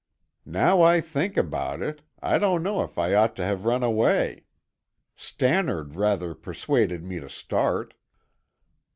"Now I think about it, I don't know if I ought to have run away. Stannard rather persuaded me to start."